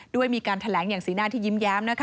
ด้วยมีการแถลงอย่างศีลินาที่ยิ้มแย้มนะคะ